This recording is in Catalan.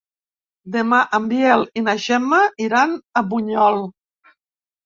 Demà en Biel i na Gemma iran a Bunyol.